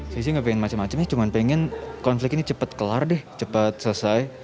saya sih nggak pengen macam macam ya cuma pengen konflik ini cepat kelar deh cepat selesai